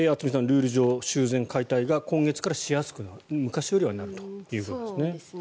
ルール上、修繕・解体が今月からしやすくなる昔よりはなるということです。